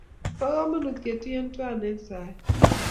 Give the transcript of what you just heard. bo kamanut ketuyie tuwai eng' saet